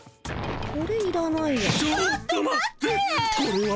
これいらないや。